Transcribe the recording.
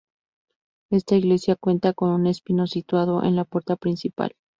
Esta iglesia cuenta con un espino situado en la puerta principal.